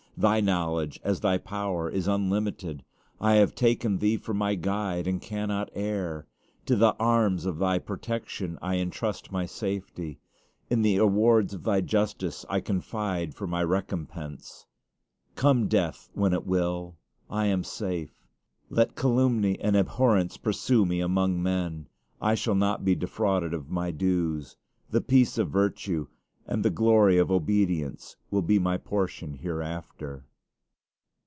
Thy knowledge, as Thy power, is unlimited. I have taken Thee for my guide, and cannot err. To the arms of Thy protection I intrust my safety. In the awards of Thy justice I confide for my recompense. Come death when it will, I am safe. Let calumny and abhorrence pursue me among men; I shall not be defrauded of my dues. The peace of virtue and the glory of obedience will be my portion hereafter.